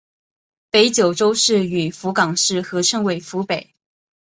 北九州市与福冈市合称为福北。